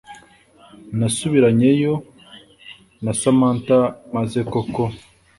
nasubiranye yo na Samantha maze koko